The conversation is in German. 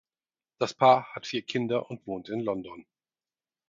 Das Paar hat vier Kinder und wohnt in London.